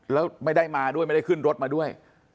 แล้วไม่ได้มาด้วยไม่ได้ขึ้นรถมาด้วย